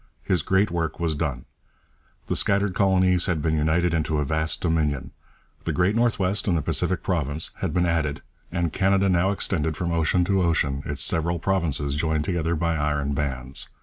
His great work was done. The scattered colonies had been united into a vast Dominion. The great North West and the Pacific province had been added and Canada now extended from ocean to ocean, its several provinces joined together by iron bands.